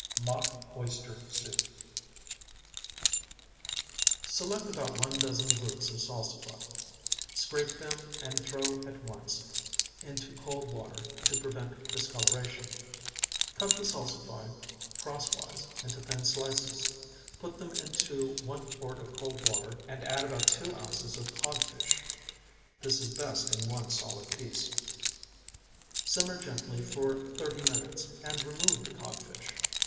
MOCK OYSTER SOUP Select about one dozen roots of salsify. Scrape them and throw at once into cold water to prevent discoloration. Cut the salsify crosswise into thin slices. Put them into one quart of cold water and add about two ounces of codfish. This is best in one solid piece. Simmer gently for thirty minutes and remove the codfish.